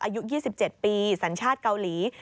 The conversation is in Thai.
อายุ๒๗ปีสัญชาติเกาหลี